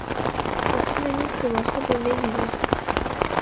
初音ミクはほぼネギです